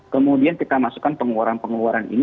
kemudian kita masukkan pengeluaran pengeluaran ini